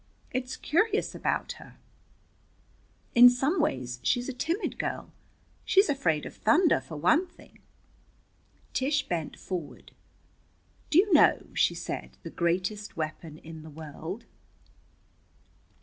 It's curious about her. In some ways she's a timid girl. She's afraid of thunder, for one thing." Tish bent forward. "Do you know," she said, "the greatest weapon in the world?"